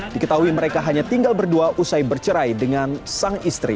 diketahui mereka hanya tinggal berdua usai bercerai dengan sang istri